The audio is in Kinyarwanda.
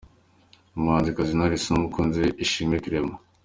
Umuhanzikazi Knowless n’umukunzi we Ishimwe Clement.